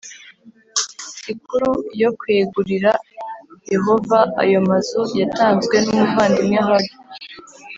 sikuru yo kwegurira Yehova ayo mazu yatanzwe n umuvandimwe Herd